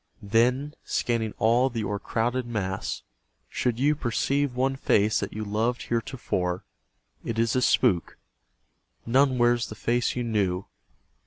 Then, scanning all the o'ercrowded mass, should you Perceive one face that you loved heretofore, It is a spook. None wears the face you knew.